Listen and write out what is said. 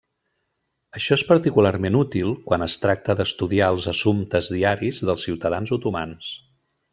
Això és particularment útil quan es tracta d'estudiar els assumptes diaris dels ciutadans otomans.